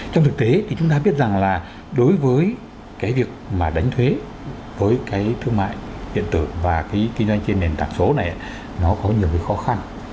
trong thực tế thì chúng ta biết rằng là đối với cái việc mà đánh thuế với cái thương mại điện tử và cái kinh doanh trên nền tảng số này nó có nhiều cái khó khăn